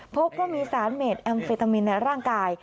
พบว่ามีสารเมดแอมเฟตามินในร่างกาย